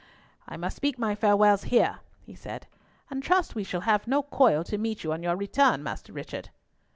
"I must speak my farewells here," he said, "and trust we shall have no coil to meet you on your return, Master Richard."